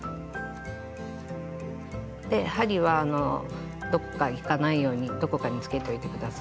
で針はどこかいかないようにどこかにつけておいて下さい。